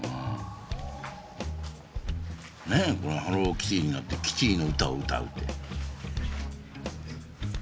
何やねん「ハローキティになってキティの歌を歌う」って。